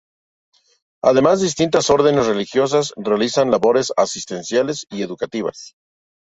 Además, distintas Órdenes religiosas realizan labores asistenciales y educativas.